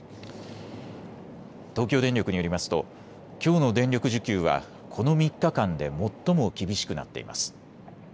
東京電力によりますときょうの電力需給はこの３日間で最も厳しくなっています。